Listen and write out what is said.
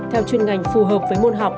theo chuyên ngành phù hợp với môn học